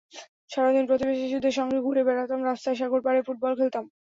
সারা দিন প্রতিবেশী শিশুদের সঙ্গে ঘুরে বেড়াতাম, রাস্তায়-সাগর পাড়ে ফুটবল খেলতাম।